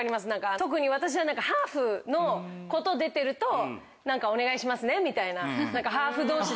特に私はハーフの子と出てるとお願いしますねみたいなハーフ同士で。